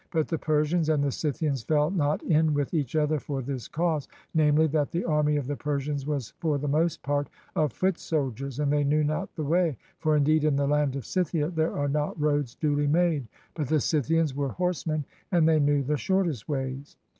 But the Persians and the Scythians fell not in with each other for this cause, namely, that the army of the Persians was for the most part of foot soldiers, and they knew not the way, for indeed in the land of Scythia there are not roads duly made; but the Scythians were horsemen, and they knew the shortest ways.